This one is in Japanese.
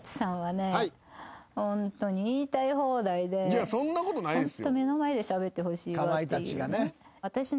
いやそんなことないですよ。